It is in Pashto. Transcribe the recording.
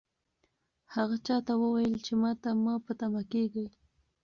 هغه چا ته وویل چې ماته مه په تمه کېږئ.